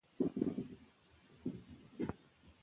او د خلکو مينه د مشر سره ګورو ـ